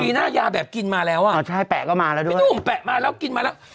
มีหน้ายาแบบกินมาแล้วอ่ะอ๋อใช่แปะก็มาแล้วด้วยพี่หนุ่มแปะมาแล้วกินมาแล้ว